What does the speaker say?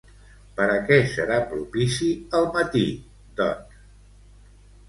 Per a què serà propici el matí, doncs?